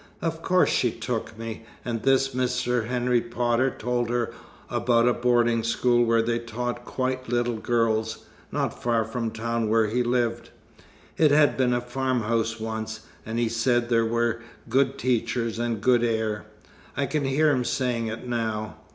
Of course she took me, and this Mr. Henry Potter told her about a boarding school where they taught quite little girls, not far from the town where he lived. It had been a farmhouse once, and he said there were 'good teachers and good air.' I can hear him saying it now.